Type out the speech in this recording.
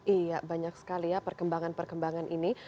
iya banyak sekali ya perkembangan perkembangan ini